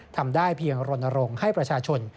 ทำได้เพียงรณรงค์ให้ประชาชน